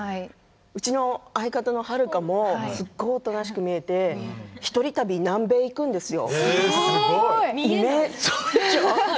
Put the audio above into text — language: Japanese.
うちの相方のはるかもすごくおとなしく見えて一人旅南米に行くんですよ。